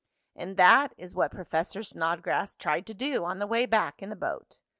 And that is what Professor Snodgrass tried to do on the way back in the boat.